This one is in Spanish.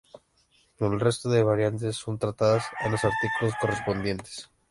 El resto de variantes son tratadas en los artículos correspondientes.